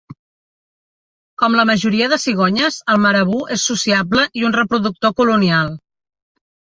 Com la majoria de cigonyes, el marabú és sociable i un reproductor colonial.